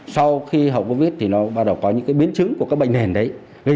sau khi hậu covid thì nó bắt đầu có những biến chứng của các bệnh nền đấy